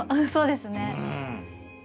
そうですね。